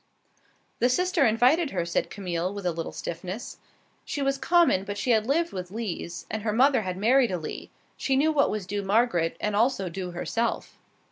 "The sister invited her," said Camille, with a little stiffness. She was common, but she had lived with Lees, and her mother had married a Lee. She knew what was due Margaret, and also due herself.